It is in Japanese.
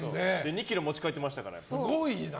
２ｋｇ持ち帰ってましたから。